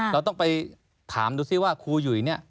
เราต้องไปถามดูซิว่าครูหยุยเนี่ย